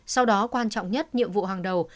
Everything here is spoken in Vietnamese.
sau đó quan trọng nhất nhiệm vụ hàng đầu